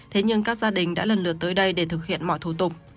thế nhưng các gia đình đã lần lượt tới đây để thực hiện mọi thủ tục